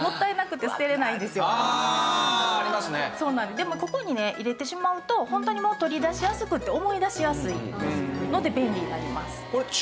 でもここにね入れてしまうとホントに取り出しやすくて思い出しやすいですので便利になります。